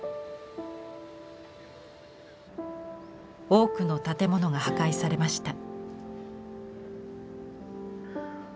多くの建物が破壊されました。